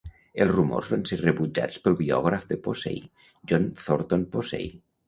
Els rumors van ser rebutjats pel biògraf de Posey, John Thornton Posey.